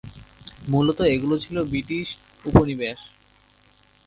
মূলত এগুলো ছিল ব্রিটিশ উপনিবেশ।